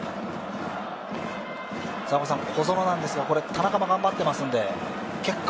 小園ですが、田中も頑張っていますので結果